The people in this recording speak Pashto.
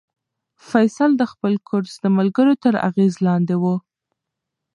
فیصل د خپل کورس د ملګرو تر اغېز لاندې و.